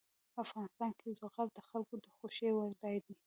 افغانستان کې زغال د خلکو د خوښې وړ ځای دی.